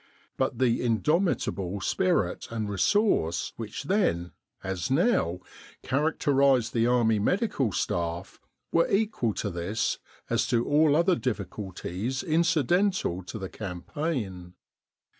But the in domitable spirit and resource which then, as now, characterised the Army Medical Staff, were equal to this as to all other difficulties incidental to the cam paign.